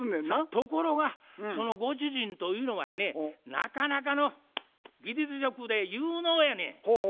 ところがそのご主人というのがやねなかなかの技術職で有能やねん。